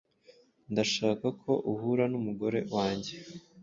Ndashaka ko uhura numugore wanjye.